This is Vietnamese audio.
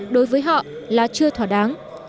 đối với họ là chưa thỏa đáng